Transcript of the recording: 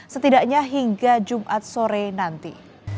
setidaknya hingga jumat sore nanti